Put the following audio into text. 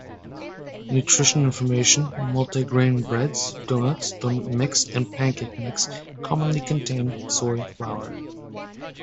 Nutrition Information Multi-grain breads, doughnuts, doughnut mix and pancake mix commonly contain soy flour.